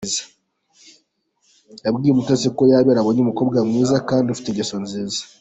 Yabwiye Umutesi ko yabera abonye umukobwa mwiza kandi ufite ingeso nziza.